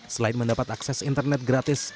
selain mendapat akses internet gratis